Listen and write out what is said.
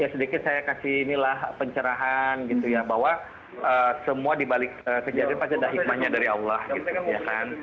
ya sedikit saya kasih inilah pencerahan gitu ya bahwa semua dibalik kejadian pasti ada hikmahnya dari allah gitu ya kan